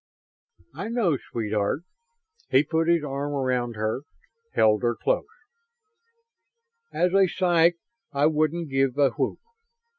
"I know, sweetheart." He put his arm around her, held her close. "As a psych I wouldn't give a whoop.